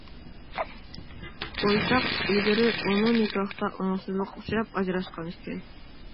بويتاق، ئىلگىرى ئۇمۇ نىكاھتا ئوڭۇشسىزلىققا ئۇچراپ ئاجراشقان ئىكەن.